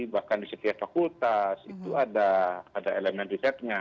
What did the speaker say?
bahkan di setiap fakultas itu ada elemen risetnya